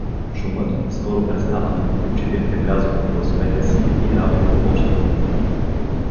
Шумът скоро престана, Учителите влязоха в класовете си и работата почна.